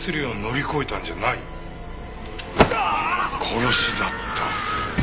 殺しだった。